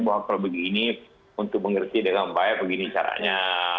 bahwa kalau begini untuk mengerti dengan baik begini caranya